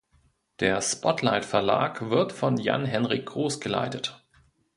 Der Spotlight Verlag wird von Jan Henrik Groß geleitet.